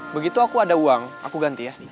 begitu aku ada uang aku ganti ya